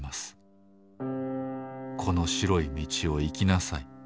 『この白い道を行きなさい